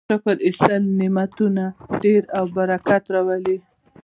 شکر ایستل نعمتونه ډیروي او برکت راوړي.